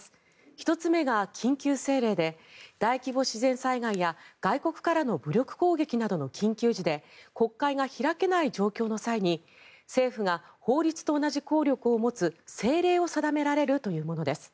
１つ目が緊急政令で大規模自然災害や外国からの武力攻撃などの緊急時で国会が開けない状況の際に政府が法律と同じ効力を持つ政令を定められるというものです。